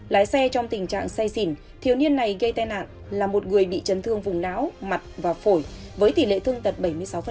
lái xe trong tình trạng say xỉn thiếu niên này gây tai nạn là một người bị chấn thương vùng não mặt và phổi với tỷ lệ thương tật bảy mươi sáu